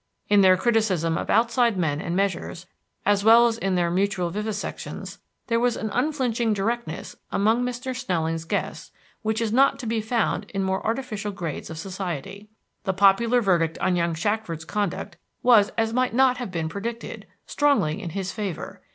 In their criticism of outside men and measures, as well as in their mutual vivisections, there was an unflinching directness among Mr. Snelling's guests which is not to be found in more artificial grades of society. The popular verdict on young Shackford's conduct was as might not have been predicted, strongly in his favor.